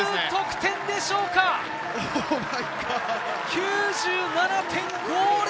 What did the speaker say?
９７．５０！